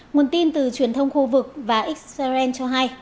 nguồn tin từ truyền thông khu vực và israel cho hay